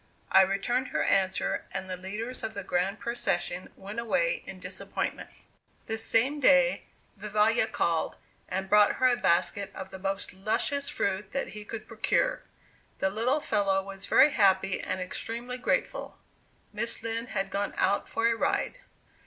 I returned her answer, and the leaders of the grand procession went away in disappointment. The same day Vivalla called, and brought her a basket of the most luscious fruit that he could procure. The little fellow was very happy and extremely grateful. Miss Lind had gone out for a ride.